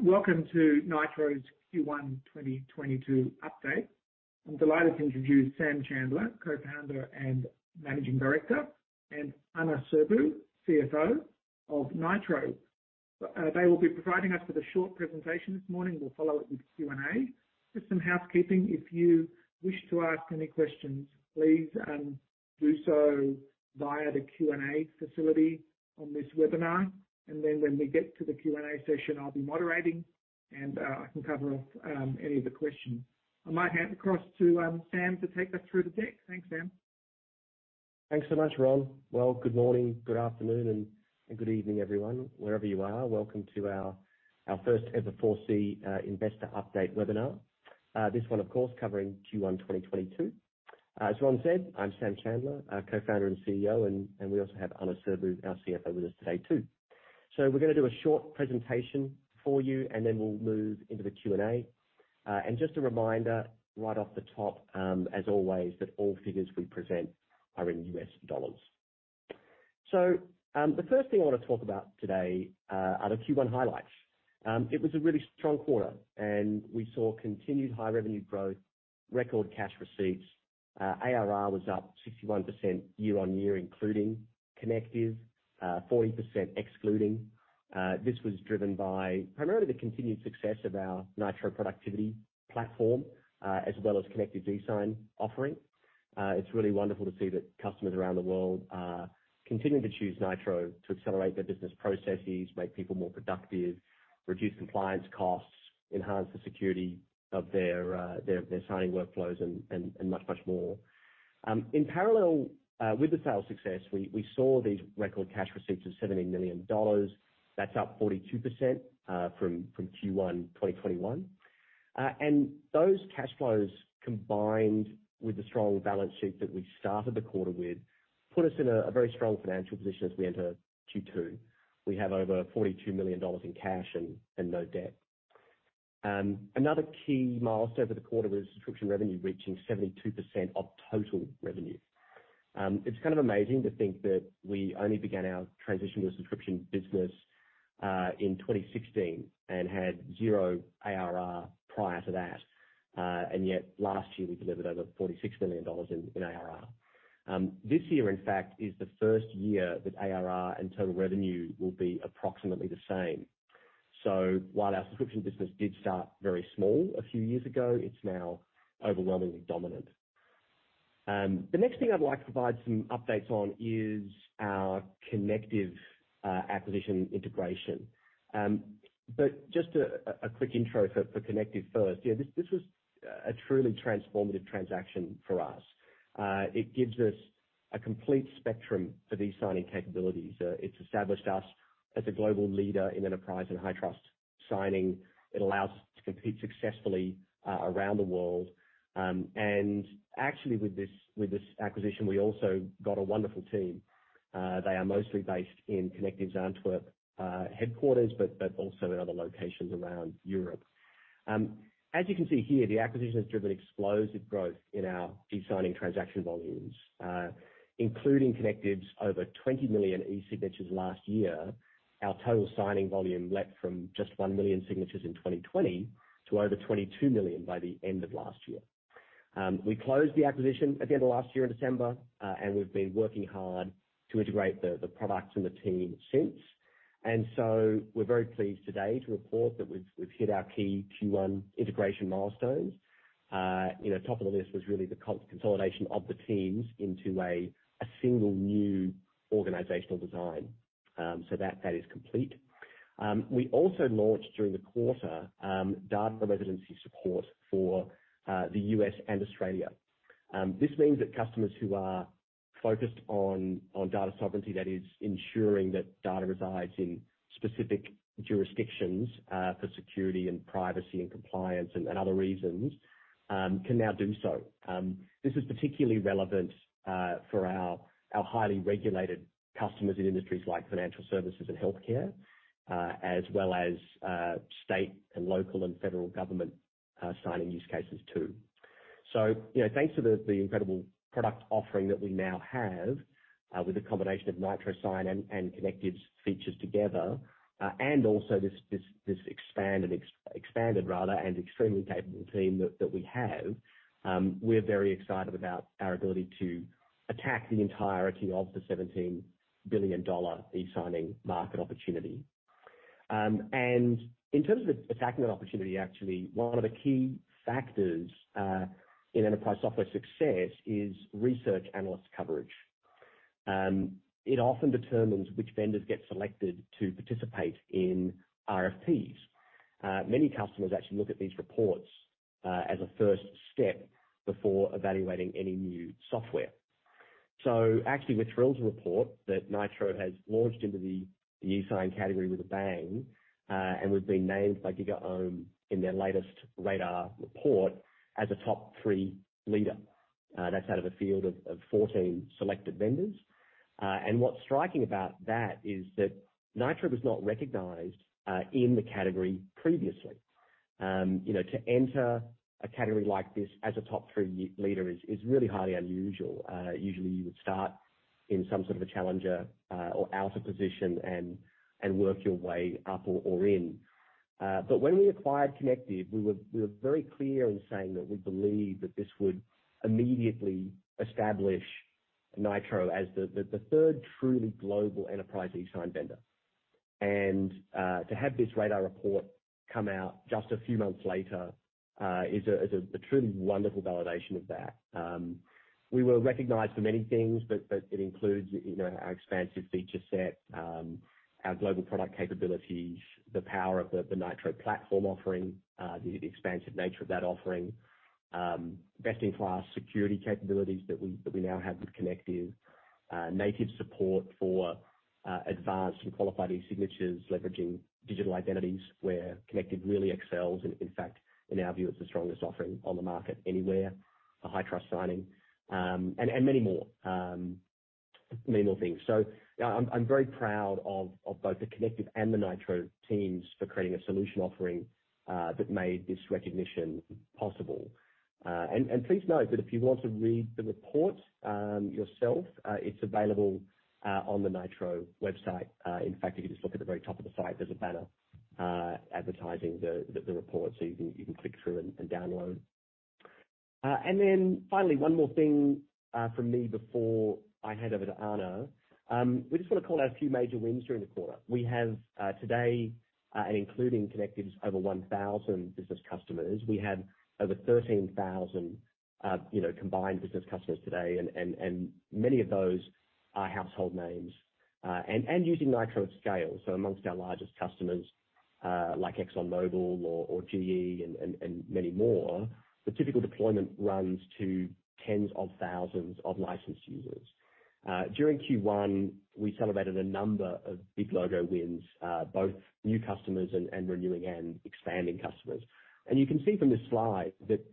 Welcome to Nitro's Q1 2022 update. I'm delighted to introduce Sam Chandler, Co-founder and Managing Director, and Ana Sirbu, CFO of Nitro. They will be providing us with a short presentation this morning. We'll follow it with Q&A. Just some housekeeping. If you wish to ask any questions, please do so via the Q&A facility on this webinar. Then when we get to the Q&A session, I'll be moderating and I can cover off any of the questions. I might hand across to Sam to take us through the deck. Thanks, Sam. Thanks so much, Ron. Well, good morning, good afternoon, and good evening, everyone. Wherever you are, welcome to our first ever 4C investor update webinar. This one, of course, covering Q1 2022. As Ron said, I'm Sam Chandler, co-founder and CEO, and we also have Ana Sirbu, our CFO, with us today too. We're gonna do a short presentation for you, and then we'll move into the Q&A. Just a reminder, right off the top, as always, that all figures we present are in U.S. dollars. The first thing I wanna talk about today are the Q1 highlights. It was a really strong quarter, and we saw continued high revenue growth, record cash receipts. ARR was up 61% year-on-year, including Connective, 40% excluding. This was driven by primarily the continued success of our Nitro productivity platform, as well as Connective eSign offering. It's really wonderful to see that customers around the world are continuing to choose Nitro to accelerate their business processes, make people more productive, reduce compliance costs, enhance the security of their signing workflows and much more. In parallel with the sales success, we saw these record cash receipts of $70 million. That's up 42% from Q1 2021. Those cash flows, combined with the strong balance sheet that we started the quarter with, put us in a very strong financial position as we enter Q2. We have over $42 million in cash and no debt. Another key milestone for the quarter was subscription revenue reaching 72% of total revenue. It's kind of amazing to think that we only began our transition to a subscription business in 2016 and had zero ARR prior to that. Yet last year we delivered over $46 million in ARR. This year, in fact, is the first year that ARR and total revenue will be approximately the same. While our subscription business did start very small a few years ago, it's now overwhelmingly dominant. The next thing I'd like to provide some updates on is our Connective acquisition integration. Just a quick intro for Connective first. This was a truly transformative transaction for us. It gives us a complete spectrum for eSigning capabilities. It's established us as a global leader in enterprise and high trust signing. It allows us to compete successfully around the world. Actually with this acquisition, we also got a wonderful team. They are mostly based in Connective's Antwerp headquarters, but also in other locations around Europe. As you can see here, the acquisition has driven explosive growth in our eSigning transaction volumes. Including Connective's over 20 million eSignatures last year, our total signing volume leapt from just 1 million signatures in 2020 to over 22 million by the end of last year. We closed the acquisition at the end of last year in December, and we've been working hard to integrate the products and the team since. We're very pleased today to report that we've hit our key Q1 integration milestones. You know, top of the list was really the consolidation of the teams into a single new organizational design. That is complete. We also launched during the quarter, data residency support for the U.S. and Australia. This means that customers who are focused on data sovereignty, that is ensuring that data resides in specific jurisdictions, for security and privacy and compliance and other reasons, can now do so. This is particularly relevant for our highly regulated customers in industries like financial services and healthcare, as well as state and local and federal government signing use cases too. You know, thanks to the incredible product offering that we now have, with a combination of Nitro Sign and Connective's features together, and also this expanded and extremely capable team that we have, we're very excited about our ability to attack the entirety of the $17 billion eSigning market opportunity. In terms of attacking that opportunity, actually, one of the key factors in enterprise software success is research analyst coverage. It often determines which vendors get selected to participate in RFPs. Many customers actually look at these reports as a first step before evaluating any new software. Actually we're thrilled to report that Nitro has launched into the eSign category with a bang, and we've been named by GigaOm in their latest Radar report as a top three leader. That's out of a field of 14 selected vendors. What's striking about that is that Nitro was not recognized in the category previously. You know, to enter a category like this as a top three leader is really highly unusual. Usually you would start in some sort of a challenger or outer position and work your way up or in. When we acquired Connective, we were very clear in saying that we believed that this would immediately establish Nitro as the third truly global enterprise eSign vendor. To have this Radar report come out just a few months later is a truly wonderful validation of that. We were recognized for many things, but it includes, you know, our expansive feature set, our global product capabilities, the power of the Nitro platform offering, the expansive nature of that offering, best-in-class security capabilities that we now have with Connective, native support for advanced and qualified eSignatures leveraging digital identities, where Connective really excels, and in fact, in our view, is the strongest offering on the market anywhere for high trust signing, and many more things. I'm very proud of both the Connective and the Nitro teams for creating a solution offering that made this recognition possible. Please note that if you want to read the report yourself, it's available on the Nitro website. In fact, if you just look at the very top of the site, there's a banner advertising the report, so you can click through and download. Finally, one more thing from me before I hand over to Ana. We just wanna call out a few major wins during the quarter. We have today and including Connective's over 1,000 business customers. We have over 13,000 you know combined business customers today, and many of those are household names and using Nitro at scale. Among our largest customers, like ExxonMobil or GE and many more, the typical deployment runs to tens of thousands of licensed users. During Q1, we celebrated a number of big logo wins, both new customers and renewing and expanding customers. You can see from this slide that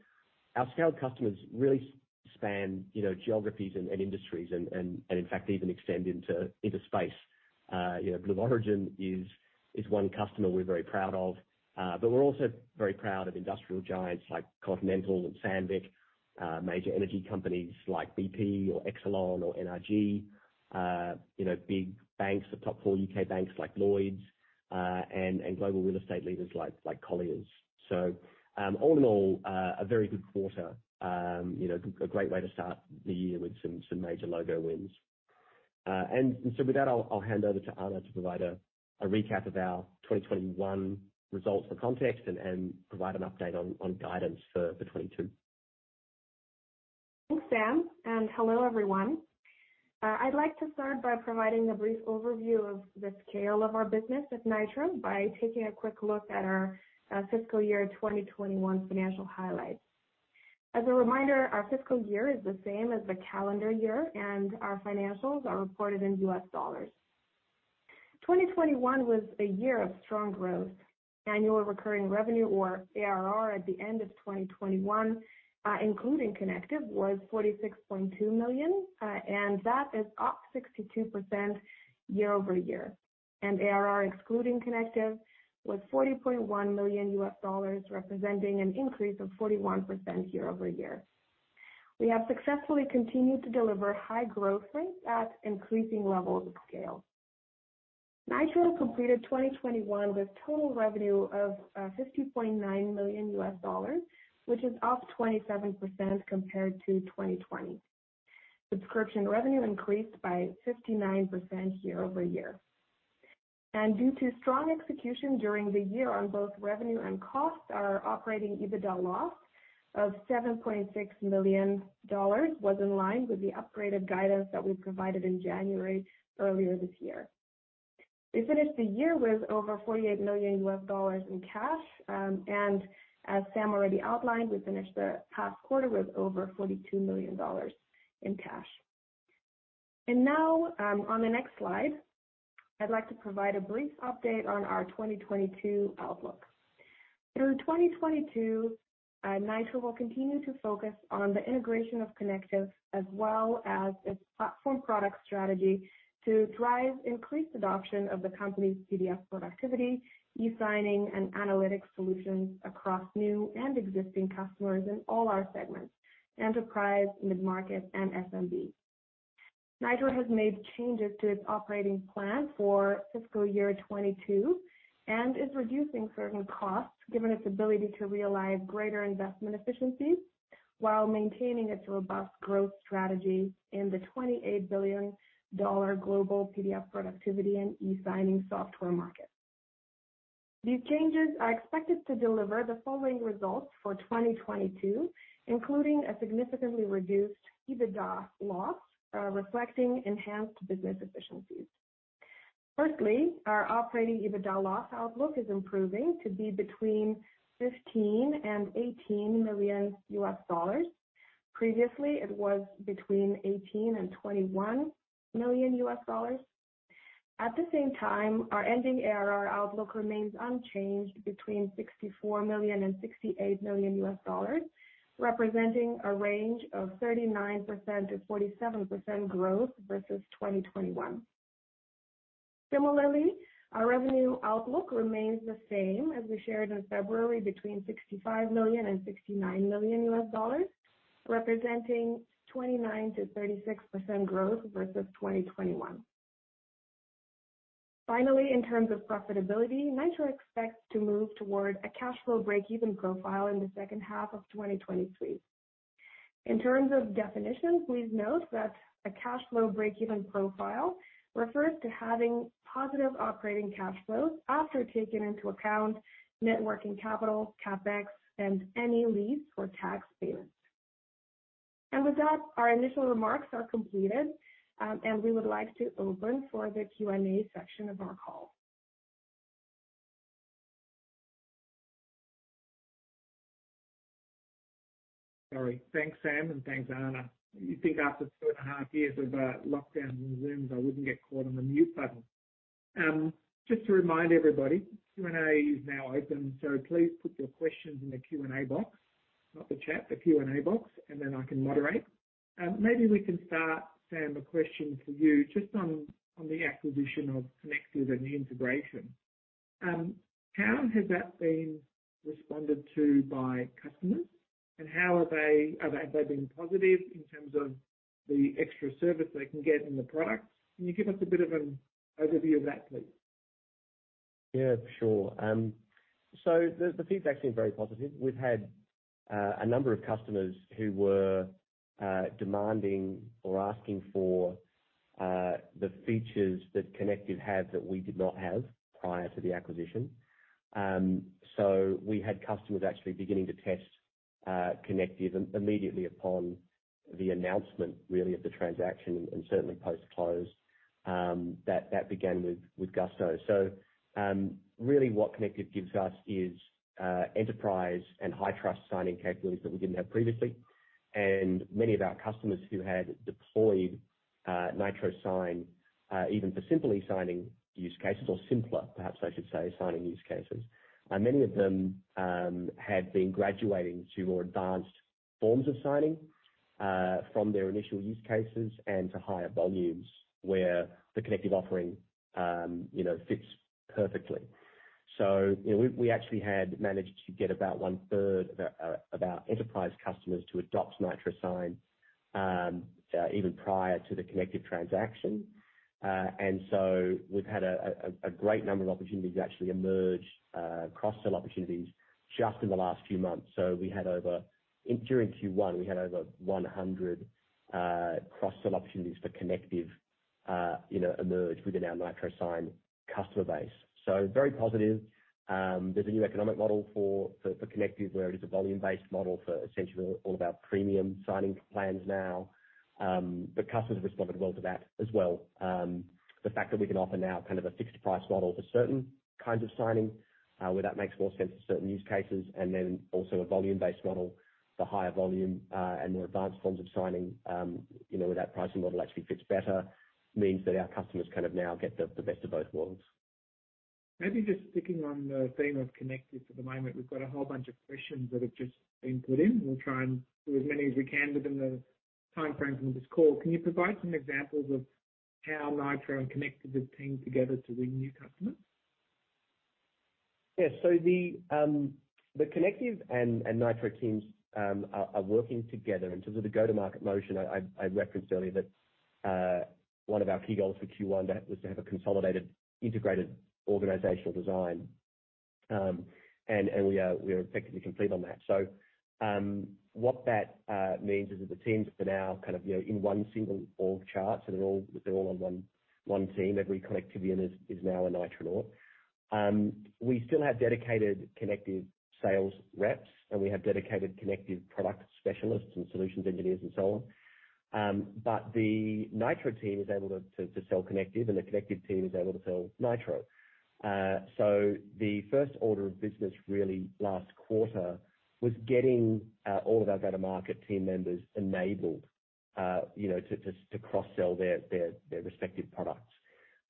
our scaled customers really span, you know, geographies and industries and in fact, even extend into space. You know, Blue Origin is one customer we're very proud of, but we're also very proud of industrial giants like Continental and Sandvik, major energy companies like BP or Exelon or NRG, you know, big banks, the top four U.K. banks like Lloyds, and global real estate leaders like Colliers. All in all, a very good quarter. You know, a great way to start the year with some major logo wins. With that, I'll hand over to Ana to provide a recap of our 2021 results for context and provide an update on guidance for 2022. Thanks, Sam, and hello, everyone. I'd like to start by providing a brief overview of the scale of our business at Nitro by taking a quick look at our fiscal year 2021 financial highlights. As a reminder, our fiscal year is the same as the calendar year, and our financials are reported in U.S. dollars. 2021 was a year of strong growth. Annual recurring revenue or ARR at the end of 2021, including Connective, was $46.2 million, and that is up 62% year-over-year. ARR excluding Connective was $40.1 million U.S. dollars, representing an increase of 41% year-over-year. We have successfully continued to deliver high growth rates at increasing levels of scale. Nitro completed 2021 with total revenue of $50.9 million, which is up 27% compared to 2020. Subscription revenue increased by 59% year-over-year. Due to strong execution during the year on both revenue and costs, our operating EBITDA loss of $7.6 million was in line with the upgraded guidance that we provided in January earlier this year. We finished the year with over $48 million in cash, and as Sam already outlined, we finished the past quarter with over $42 million in cash. Now, on the next slide, I'd like to provide a brief update on our 2022 outlook. Through 2022, Nitro will continue to focus on the integration of Connective as well as its platform product strategy to drive increased adoption of the company's PDF productivity, eSigning, and analytics solutions across new and existing customers in all our segments, enterprise, mid-market, and SMB. Nitro has made changes to its operating plan for fiscal year 2022 and is reducing certain costs, given its ability to realize greater investment efficiencies while maintaining its robust growth strategy in the $28 billion global PDF productivity and eSigning software market. These changes are expected to deliver the following results for 2022, including a significantly reduced EBITDA loss, reflecting enhanced business efficiencies. Firstly, our operating EBITDA loss outlook is improving to be between $15 million and $18 million. Previously, it was between $18 million and $21 million. At the same time, our ending ARR outlook remains unchanged between $64 million and $68 million, representing a range of 39%-47% growth versus 2021. Similarly, our revenue outlook remains the same as we shared in February, between $65 million and $69 million, representing 29%-36% growth versus 2021. Finally, in terms of profitability, Nitro expects to move toward a cash flow breakeven profile in the second half of 2023. In terms of definition, please note that a cash flow breakeven profile refers to having positive operating cash flows after taking into account net working capital, CapEx and any lease or tax payments. With that, our initial remarks are completed, and we would like to open for the Q&A section of our call. Sorry. Thanks, Sam, and thanks, Ana. You think after 2.5 years of lockdowns and Zooms, I wouldn't get caught on the mute button. Just to remind everybody, Q&A is now open, so please put your questions in the Q&A box. Not the chat, the Q&A box, and then I can moderate. Maybe we can start, Sam, a question for you just on the acquisition of Connective and the integration. How has that been responded to by customers? How are they? Have they been positive in terms of the extra service they can get in the product? Can you give us a bit of an overview of that, please? Yeah, sure. The feedback's actually very positive. We've had a number of customers who were demanding or asking for the features that Connective had that we did not have prior to the acquisition. We had customers actually beginning to test Connective immediately upon the announcement, really, of the transaction and certainly post-close. That began with gusto. Really, what Connective gives us is enterprise and high trust signing capabilities that we didn't have previously. Many of our customers who had deployed Nitro Sign even for simply signing use cases or simpler, perhaps I should say, signing use cases. Many of them have been graduating to more advanced forms of signing from their initial use cases and to higher volumes where the Connective offering, you know, fits perfectly. You know, we actually had managed to get about one third of our enterprise customers to adopt Nitro Sign, even prior to the Connective transaction. We've had a great number of opportunities actually emerge, cross-sell opportunities, just in the last few months. During Q1, we had over 100 cross-sell opportunities for Connective emerge within our Nitro Sign customer base. Very positive. There's a new economic model for Connective, where it is a volume-based model for essentially all of our premium signing plans now. Customers responded well to that as well. The fact that we can offer now kind of a fixed price model for certain kinds of signing, where that makes more sense for certain use cases, and then also a volume-based model for higher volume, and more advanced forms of signing, you know, where that pricing model actually fits better, means that our customers kind of now get the best of both worlds. Maybe just sticking on the theme of Connective for the moment. We've got a whole bunch of questions that have just been put in. We'll try and do as many as we can within the timeframe from this call. Can you provide some examples of how Nitro and Connective have teamed together to win new customers? Yes. The Connective and Nitro teams are working together in terms of the go-to-market motion. I referenced earlier that one of our key goals for Q1 that was to have a consolidated, integrated organizational design. We are effectively complete on that. What that means is that the teams are now kind of, you know, in one single org chart, so they're all on one team. Every Connectivian is now a Nitronaut. We still have dedicated Connective sales reps, and we have dedicated Connective product specialists and solutions engineers and so on. The Nitro team is able to sell Connective, and the Connective team is able to sell Nitro. The first order of business really last quarter was getting all of our go-to-market team members enabled, you know, to cross-sell their respective products.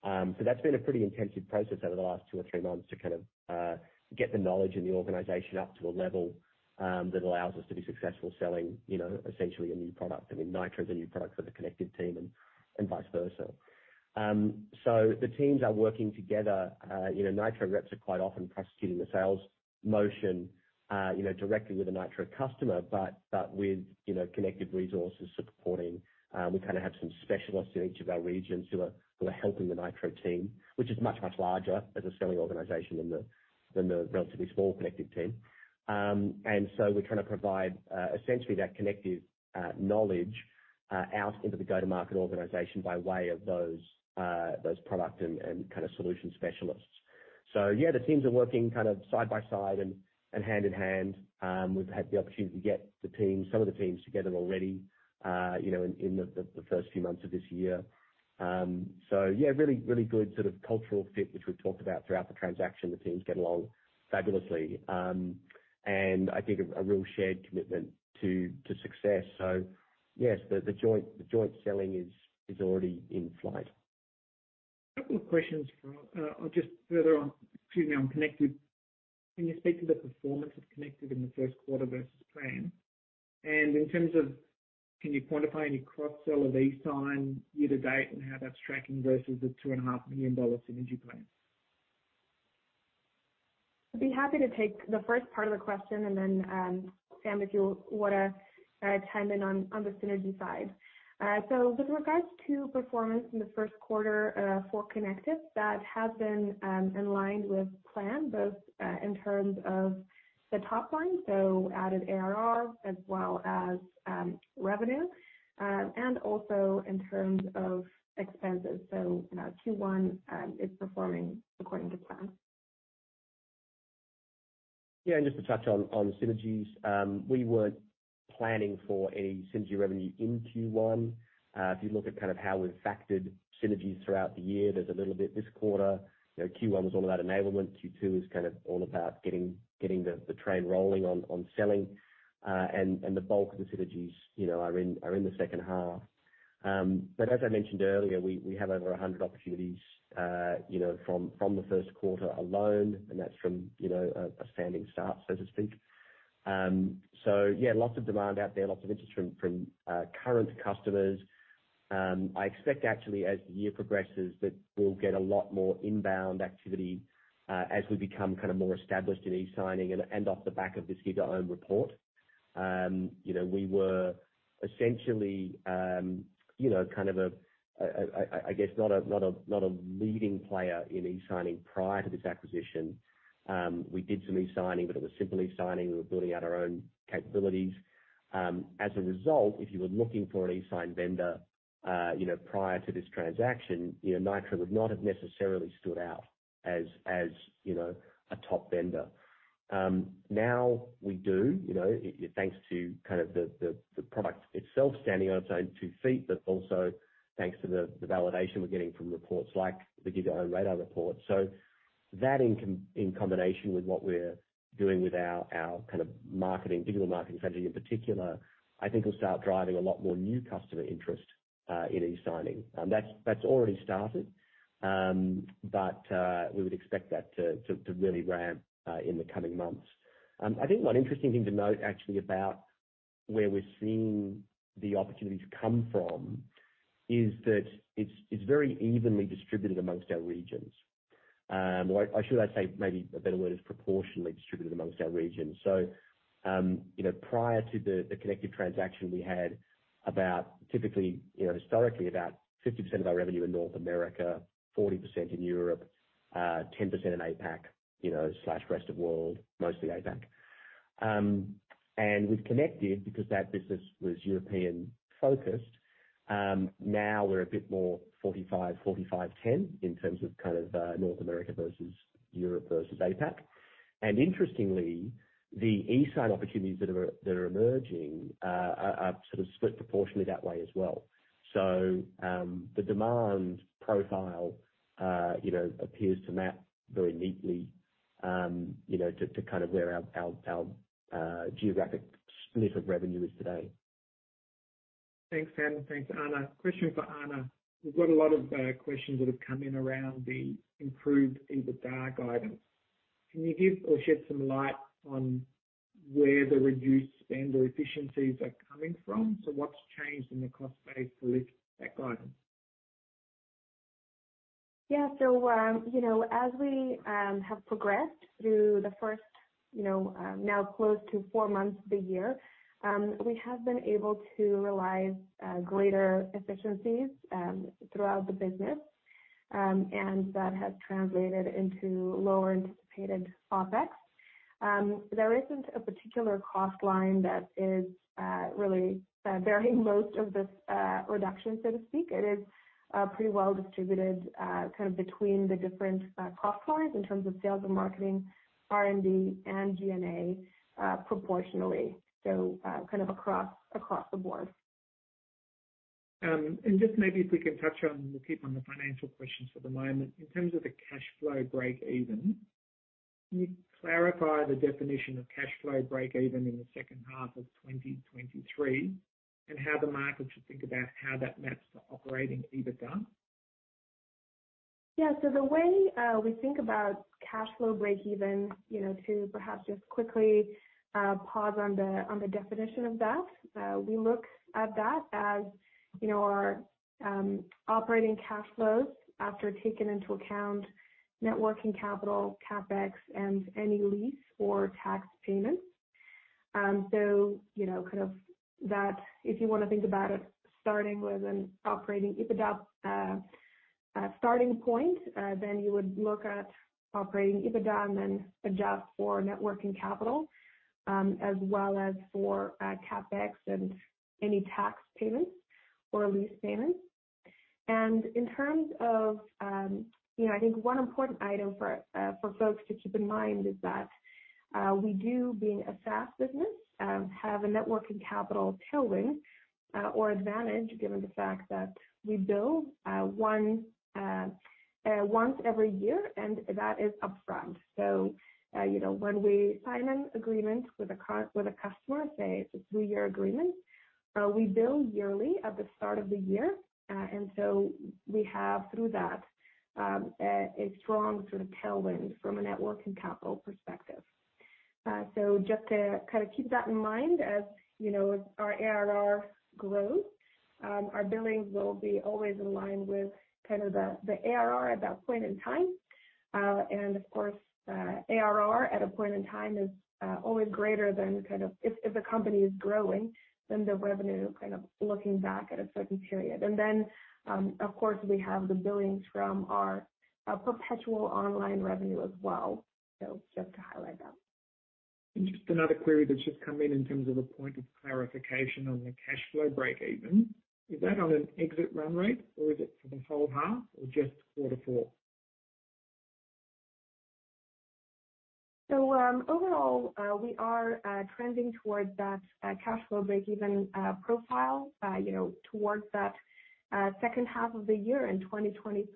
That's been a pretty intensive process over the last two or three months to kind of get the knowledge in the organization up to a level that allows us to be successful selling, you know, essentially a new product. I mean, Nitro is a new product for the Connective team and vice versa. The teams are working together. You know, Nitro reps are quite often prosecuting the sales motion, you know, directly with a Nitro customer, but with, you know, Connective resources supporting. We kinda have some specialists in each of our regions who are helping the Nitro team, which is much larger as a selling organization than the relatively small Connective team. We're trying to provide essentially that Connective knowledge out into the go-to-market organization by way of those product and kind of solution specialists. Yeah, the teams are working kind of side by side and hand in hand. We've had the opportunity to get the teams, some of the teams together already, you know, in the first few months of this year. Yeah, really good sort of cultural fit, which we've talked about throughout the transaction. The teams get along fabulously. I think a real shared commitment to success. Yes, the joint selling is already in flight. A couple of questions for, or just further on, excuse me, on Connective. Can you speak to the performance of Connective in the first quarter versus plan? In terms of, can you quantify any cross-sell of eSign year-to-date and how that's tracking versus the $2.5 million synergy plan? I'd be happy to take the first part of the question and then, Sam, if you wanna chime in on the synergy side. With regards to performance in the first quarter, for Connective, that has been in line with plan, both in terms of the top line, so added ARR as well as revenue, and also in terms of expenses. You know, Q1 is performing according to plan. Yeah, just to touch on synergies. We weren't planning for any synergy revenue in Q1. If you look at kind of how we've factored synergies throughout the year, there's a little bit this quarter. You know, Q1 was all about enablement. Q2 is kind of all about getting the train rolling on selling, and the bulk of the synergies, you know, are in the second half. As I mentioned earlier, we have over 100 opportunities, you know, from the first quarter alone, and that's from, you know, a standing start, so to speak. Yeah, lots of demand out there, lots of interest from current customers. I expect actually as the year progresses, that we'll get a lot more inbound activity, as we become kinda more established in eSigning and off the back of this GigaOm report. You know, we were essentially, you know, kind of a, I guess not a leading player in eSigning prior to this acquisition. We did some eSigning, but it was simple eSigning. We were building out our own capabilities. As a result, if you were looking for an eSign vendor, you know, prior to this transaction, you know, Nitro would not have necessarily stood out as, you know, a top vendor. Now we do, you know, thanks to kind of the product itself standing on its own two feet, but also thanks to the validation we're getting from reports like the GigaOm Radar Report. That in combination with what we're doing with our kind of marketing, digital marketing strategy in particular, I think will start driving a lot more new customer interest in eSigning. That's already started. We would expect that to really ramp in the coming months. I think one interesting thing to note actually about where we're seeing the opportunities come from is that it's very evenly distributed amongst our regions, or should I say, maybe a better word is proportionally distributed amongst our regions. You know, prior to the connective transaction, we had about typically, you know, historically about 50% of our revenue in North America, 40% in Europe, 10% in APAC, you know, slash rest of world, mostly APAC. With Connective, because that business was European-focused, now we're a bit more 45, 10 in terms of kind of North America versus Europe versus APAC. Interestingly, the eSign opportunities that are emerging are sort of split proportionally that way as well. The demand profile, you know, appears to map very neatly, you know, to kind of where our geographic split of revenue is today. Thanks, Sam. Thanks, Ana. Question for Ana. We've got a lot of questions that have come in around the improved EBITDA guidance. Can you give or shed some light on where the reduced spend or efficiencies are coming from? What's changed in the cost base to lift that guidance? Yeah, you know, as we have progressed through the first, you know, now close to four months of the year, we have been able to realize greater efficiencies throughout the business. That has translated into lower anticipated OpEx. There isn't a particular cost line that is really bearing most of this reduction so to speak. It is pretty well distributed kind of between the different cost lines in terms of sales and marketing, R&D and G&A proportionally. Kind of across the board. Just maybe if we can touch on, we'll keep on the financial questions for the moment. In terms of the cash flow break even, can you clarify the definition of cash flow break even in the second half of 2023, and how the market should think about how that maps to operating EBITDA? Yeah. The way we think about cash flow breakeven, you know, to perhaps just quickly pause on the definition of that. We look at that as, you know, our operating cash flows after taking into account net working capital, CapEx, and any lease or tax payments. You know, kind of that if you wanna think about it starting with an operating EBITDA starting point, then you would look at operating EBITDA and then adjust for net working capital, as well as for CapEx and any tax payments or lease payments. In terms of, you know, I think one important item for folks to keep in mind is that we, being a SaaS business, have a net working capital tailwind or advantage given the fact that we bill once every year, and that is upfront. You know, when we sign an agreement with a customer, say it's a three-year agreement. We bill yearly at the start of the year. We have, through that, a strong sort of tailwind from a net working capital perspective. Just to kind of keep that in mind as, you know, our ARR grows, our billings will be always in line with kind of the ARR at that point in time. Of course, ARR at a point in time is always greater than kind of if a company is growing, then the revenue kind of looking back at a certain period. Of course, we have the billings from our perpetual online revenue as well. Just to highlight that. Just another query that's just come in in terms of a point of clarification on the cash flow breakeven. Is that on an exit run rate, or is it for the whole half or just quarter four? Overall, we are trending towards that cash flow breakeven profile, you know, towards that second half of the year in 2023.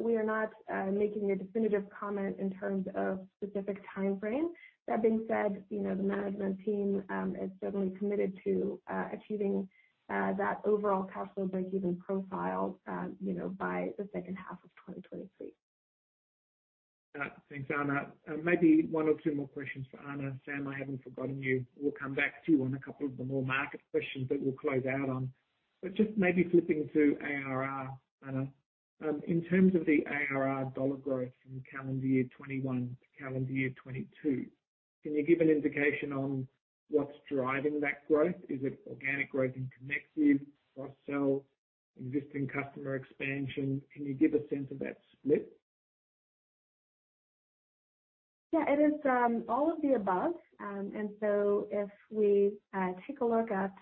We are not making a definitive comment in terms of specific timeframe. That being said, you know, the management team is certainly committed to achieving that overall cash flow breakeven profile, you know, by the second half of 2023. Thanks, Ana. Maybe one or two more questions for Ana. Sam, I haven't forgotten you. We'll come back to you on a couple of the more market questions that we'll close out on. Just maybe flipping to ARR, Ana. In terms of the ARR dollar growth from calendar year 2021 to calendar year 2022, can you give an indication on what's driving that growth? Is it organic growth in Connective, cross-sell, existing customer expansion? Can you give a sense of that split? Yeah, it is all of the above. If we take a look at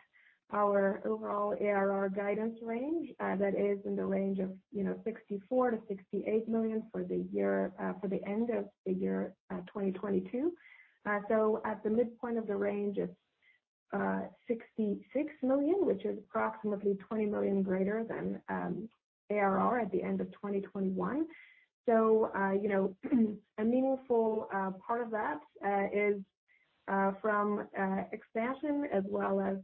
our overall ARR guidance range, that is in the range of, you know, $64 million-$68 million for the year, for the end of the year, 2022. At the midpoint of the range, it's $66 million, which is approximately $20 million greater than ARR at the end of 2021. You know, a meaningful part of that is from expansion as well as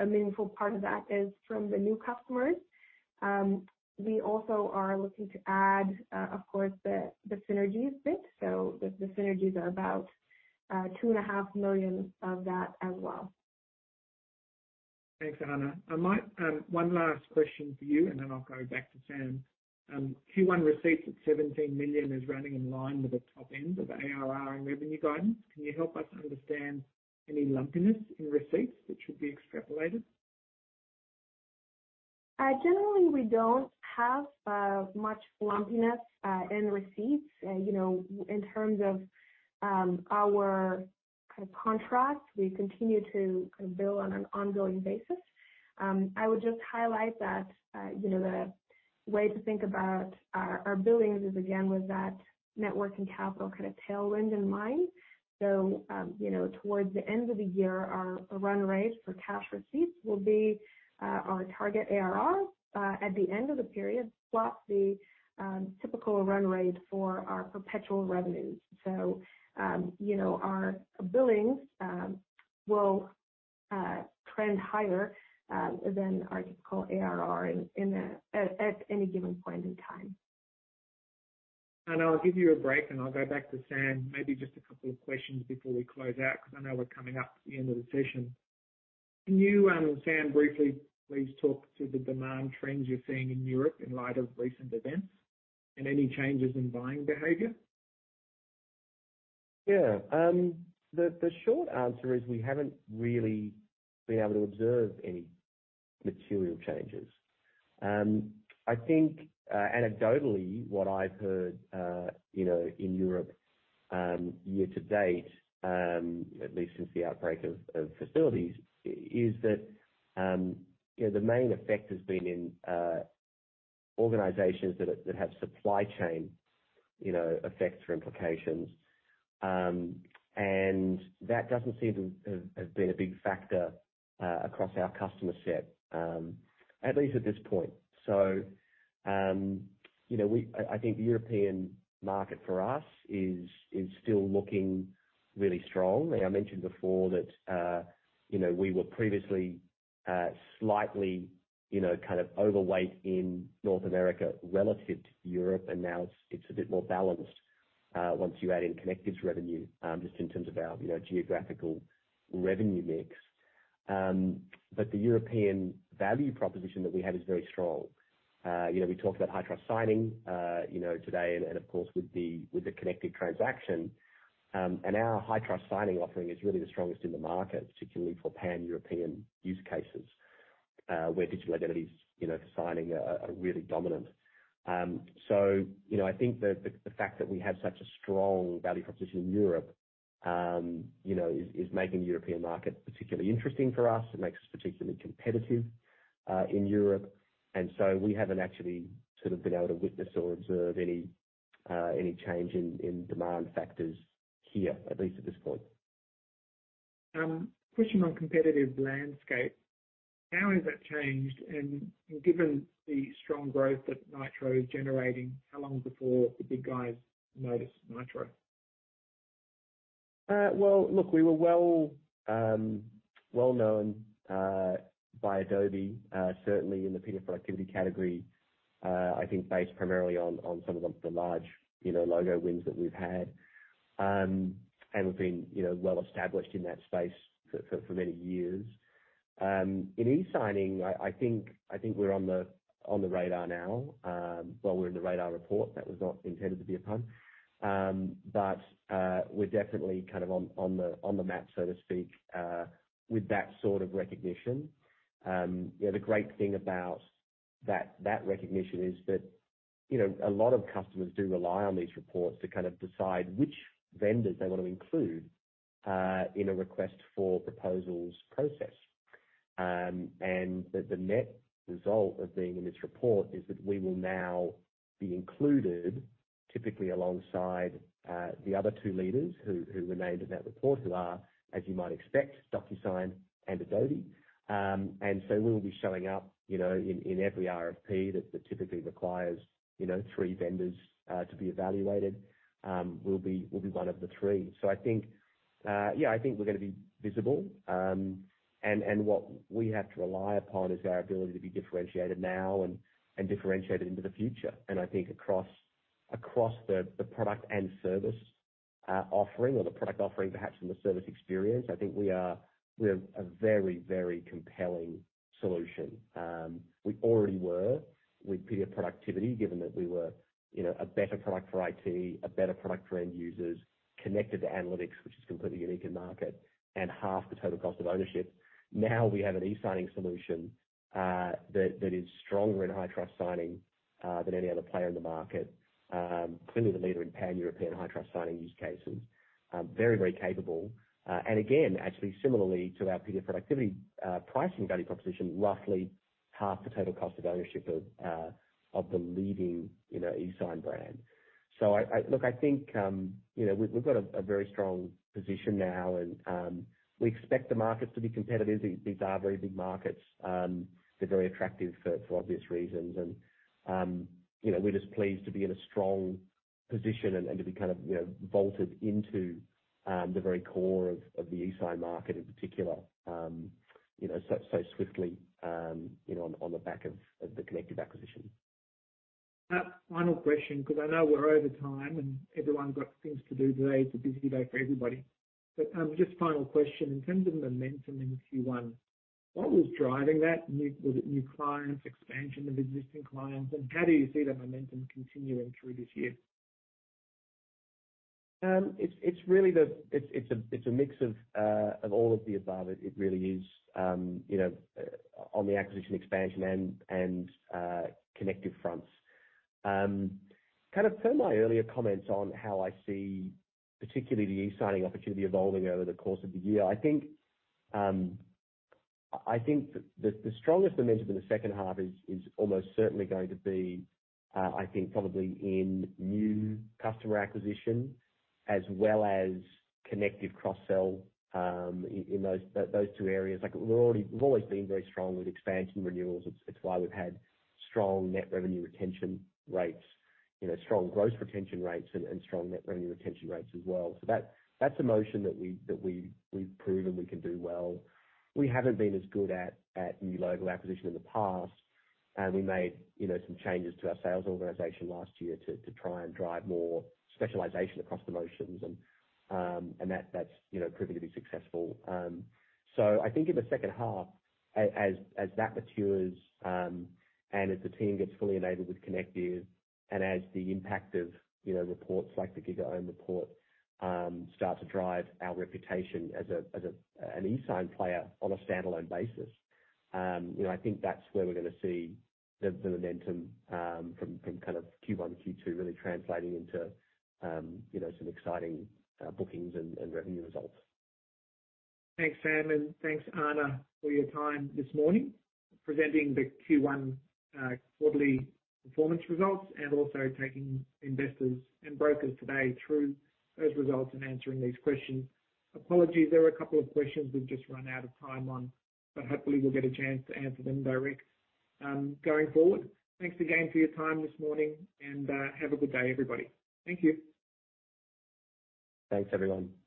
a meaningful part of that is from the new customers. We also are looking to add, of course, the synergies bit. The synergies are about $2.5 million of that as well. Thanks, Ana. I might one last question for you, and then I'll go back to Sam. Q1 receipts at $17 million is running in line with the top end of ARR and revenue guidance. Can you help us understand any lumpiness in receipts which would be extrapolated? Generally, we don't have much lumpiness in receipts. You know, in terms of our contracts, we continue to bill on an ongoing basis. I would just highlight that, you know, the way to think about our billings is again with that network and capital kind of tailwind in mind. You know, towards the end of the year, our run rate for cash receipts will be our target ARR at the end of the period, plus the typical run rate for our perpetual revenues. You know, our billings will trend higher than our typical ARR at any given point in time. I'll give you a break, and I'll go back to Sam. Maybe just a couple of questions before we close out because I know we're coming up to the end of the session. Can you, Sam, briefly please talk to the demand trends you're seeing in Europe in light of recent events and any changes in buying behavior? Yeah. The short answer is we haven't really been able to observe any material changes. I think, anecdotally, what I've heard, you know, in Europe, year to date, at least since the outbreak of hostilities, is that, you know, the main effect has been in organizations that have supply chain, you know, effects or implications. That doesn't seem to have been a big factor, across our customer set, at least at this point. You know, I think the European market for us is still looking really strong. I mentioned before that, you know, we were previously, slightly, you know, kind of overweight in North America relative to Europe, and now it's a bit more balanced, once you add in Connective's revenue, just in terms of our, you know, geographical revenue mix. The European value proposition that we have is very strong. You know, we talked about high trust signing, you know, today and of course, with the Connective transaction. Our high trust signing offering is really the strongest in the market, particularly for Pan-European use cases, where digital identities, you know, for signing are really dominant. You know, I think the fact that we have such a strong value proposition in Europe, you know, is making the European market particularly interesting for us. It makes us particularly competitive in Europe. We haven't actually sort of been able to witness or observe any change in demand factors here, at least at this point. Question on competitive landscape, how has that changed? Given the strong growth that Nitro is generating, how long before the big guys notice Nitro? Well, look, we were well known by Adobe certainly in the PDF productivity category. I think based primarily on some of the large, you know, logo wins that we've had. We've been, you know, well established in that space for many years. In eSigning, I think we're on the radar now. Well, we're in the Radar Report. That was not intended to be a pun. We're definitely kind of on the map, so to speak, with that sort of recognition. You know, the great thing about that recognition is that, you know, a lot of customers do rely on these reports to kind of decide which vendors they wanna include in a request for proposals process. The net result of being in this report is that we will now be included, typically alongside the other two leaders who were named in that report, who are, as you might expect, DocuSign and Adobe. We'll be showing up, you know, in every RFP that typically requires, you know, three vendors to be evaluated. We'll be one of the three. I think, yeah, I think we're gonna be visible. What we have to rely upon is our ability to be differentiated now and differentiated into the future. I think across the product and service offering or the product offering perhaps from the service experience, I think we're a very, very compelling solution. We already were with PDF productivity, given that we were, you know, a better product for IT, a better product for end users, connected to analytics, which is completely unique in market, and half the total cost of ownership. Now we have an eSigning solution that is stronger in high-trust signing than any other player in the market. Clearly the leader in Pan-European high-trust signing use cases. Very, very capable. And again, actually similarly to our PDF productivity, pricing value proposition, roughly half the total cost of ownership of the leading, you know, eSign brand. I look. I think, you know, we've got a very strong position now and we expect the markets to be competitive. These are very big markets. They're very attractive for obvious reasons. You know, we're just pleased to be in a strong position and to be kind of, you know, vaulted into the very core of the eSign market in particular, you know, so swiftly, you know, on the back of the Connective acquisition. Final question, 'cause I know we're over time and everyone got things to do today. It's a busy day for everybody. Just final question. In terms of momentum in Q1, what was driving that? Was it new clients, expansion of existing clients, and how do you see that momentum continuing through this year? It's really a mix of all of the above. It really is. You know, on the acquisition expansion and Connective fronts. Kind of per my earlier comments on how I see particularly the eSigning opportunity evolving over the course of the year, I think the strongest momentum in the second half is almost certainly going to be, I think, probably in new customer acquisition as well as Connective cross-sell, in those two areas. Like, we're already. We've always been very strong with expansion renewals. It's why we've had strong net revenue retention rates, you know, strong gross retention rates and strong net revenue retention rates as well. That's a motion that we've proven we can do well. We haven't been as good at new logo acquisition in the past. We made, you know, some changes to our sales organization last year to try and drive more specialization across the motions and that's, you know, proven to be successful. I think in the second half, as that matures, and as the team gets fully enabled with Connective and as the impact of, you know, reports like the GigaOm report, start to drive our reputation as an eSign player on a standalone basis, you know, I think that's where we're gonna see the momentum from kind of Q1, Q2 really translating into, you know, some exciting bookings and revenue results. Thanks, Sam, and thanks, Ana, for your time this morning presenting the Q1 quarterly performance results and also taking investors and brokers today through those results and answering these questions. Apologies, there were a couple of questions we've just run out of time on, but hopefully we'll get a chance to answer them direct, going forward. Thanks again for your time this morning and, have a good day, everybody. Thank you. Thanks, everyone. Thank you.